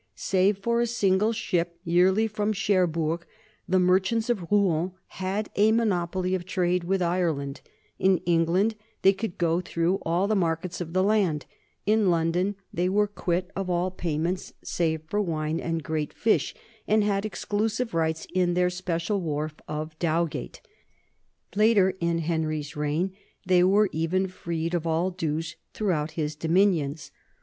Save for a single ship yearly from Cherbourg, the merchants of Rouen had a monopoly of trade with Ireland ; in England they could go through all the mar kets of the land ; in London they were quit of all pay ments save for wine and great fish and had exclusive rights in their special wharf of Dowgate. Later in Henry's reign they were even freed of all dues through out his dominions.